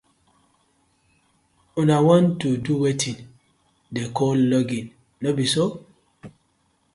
Una wan to do weten dem call logging, no bi so?